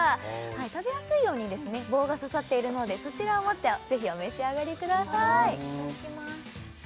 食べやすいように棒が刺さっているのでそちらを持ってぜひお召し上がりくださいいただきます